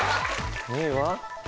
２位は？